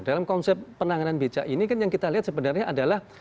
dalam konsep penanganan becak ini kan yang kita lihat sebenarnya adalah